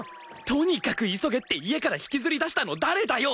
とにかく急げって家から引きずり出したの誰だよ！？